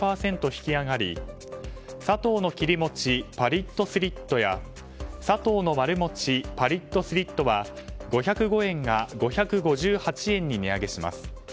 引きあがりサトウの切り餅パリッとスリットやサトウのまる餅パリッとスリットは５０５円が５５８円に値上げします。